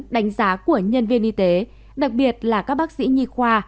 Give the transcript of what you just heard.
đánh giá của nhân viên y tế đặc biệt là các bác sĩ nhi khoa